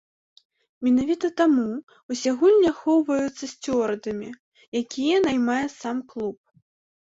Менавіта таму ўсе гульні ахоўваюцца сцюардамі, якіх наймае сам клуб.